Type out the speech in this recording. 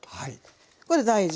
これ大事。